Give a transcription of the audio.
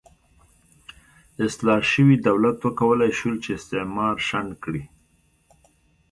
اصلاح شوي دولت وکولای شول چې استعمار شنډ کړي.